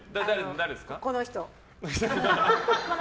この人。